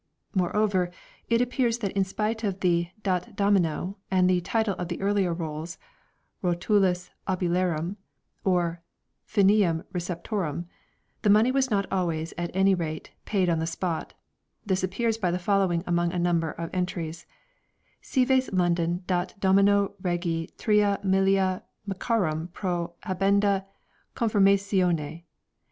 Moreover, it appears that in spite of the " dat domino " and the title of the earlier rolls " Rotulus Oblatorum " or " Finium Receptorum " the money was not always, at any rate, paid on the spot ; this appears by the following among a number of entries : 4 " Cives Lon don' dant domino * Regi tria Millia marcarum pro habenda confirmacione